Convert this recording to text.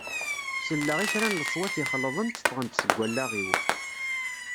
Selleɣ i kra n leṣwat ixelḍen tteffɣen-d seg wallaɣ-iw.